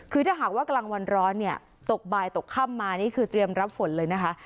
คือถ้าหากว่ากลางวันร้อนเนี่ยตกบ่ายตกค่ำมานี่คือเตรียมรับฝนเลยนะคะ